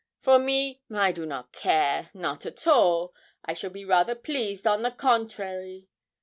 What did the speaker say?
For me I do not care not at all I shall be rather pleased, on the contrary.